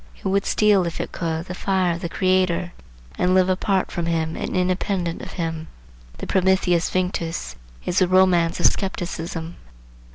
It would steal if it could the fire of the Creator, and live apart from him and independent of him. The Prometheus Vinctus is the romance of skepticism.